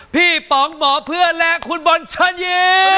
พี่ป๋องหมอเพื่อนและคุณบนชันยี